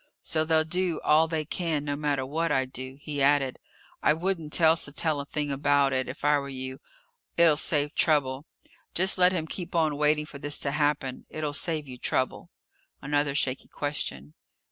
So they'll do all they can no matter what I do." He added, "I wouldn't tell Sattell a thing about it, if I were you. It'll save trouble. Just let him keep on waiting for this to happen. It'll save you trouble." Another shaky question.